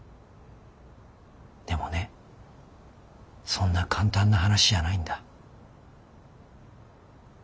でもねそんな簡単な話じゃないんだ。